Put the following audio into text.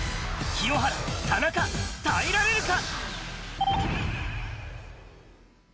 清原、田中、耐えられるか？